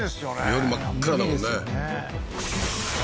夜真っ暗だもんね